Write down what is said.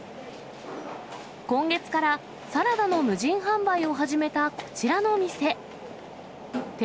今月からサラダの無人販売を始めたこちらの店。